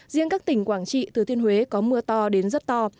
riêng các tỉnh quảng trị thừa thiên huế có mưa to đến rất to